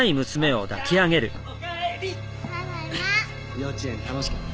幼稚園楽しかった？